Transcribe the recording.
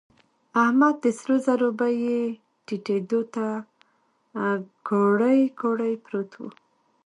احمد د سرو زرو بيې ټيټېدو ته کوړۍ کوړۍ پروت دی.